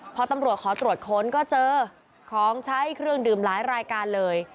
พอตำรวจขอตรวจค้นก็เจอของใช้เครื่องดื่มหลายรายการเลย